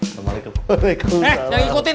eh jangan ngikutin